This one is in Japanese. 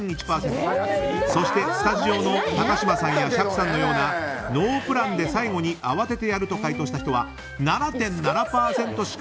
そして、スタジオの高嶋さんや釈さんのようなノープランで最後に慌ててやると回答した人は嘘でしょ！